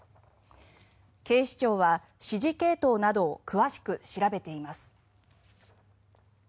警視庁は指示系統などを詳しく調べています。